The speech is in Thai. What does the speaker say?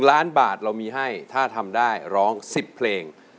ล้านบาทเรามีให้ถ้าทำได้ร้อง๑๐เพลง